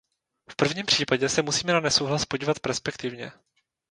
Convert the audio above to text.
V prvním případě se musíme na nesouhlas podívat perspektivně.